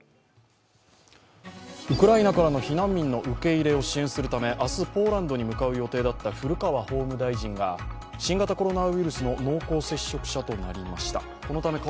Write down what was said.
ウクライナからの避難民の受け入れを支援するため明日、ポーランドに向かう予定だった古川法務大臣が新型コロナウイルスの濃厚接触者となりました。